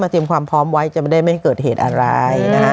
เตรียมความพร้อมไว้จะไม่ได้ไม่ให้เกิดเหตุอะไร